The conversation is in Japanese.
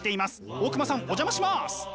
大隈さんお邪魔します！